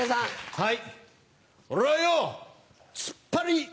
はい。